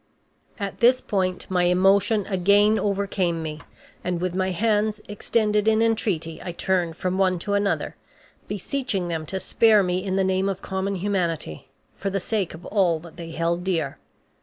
At this point my emotion again overcame me, and with my hands extended in entreaty, I turned from one to another, beseeching them to spare me in the name of common humanity, for the sake of all that they held dear.